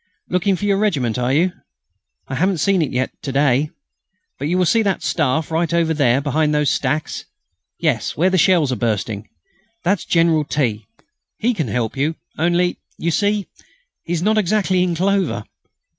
Looking for your regiment, are you? I haven't seen it yet to day. But you see that Staff right over there behind those stacks?... Yes, where those shells are bursting.... That's General T. He can help you; only, you see, he's not exactly in clover.